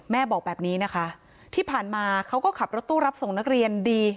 แม่บอกแบบนี้นะคะที่ผ่านมาเขาก็ขับรถตู้รับส่งนักเรียนดี